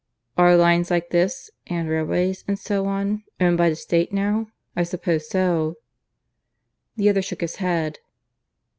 "Are lines like this and railways, and so on owned by the State now? I suppose so." The other shook his head.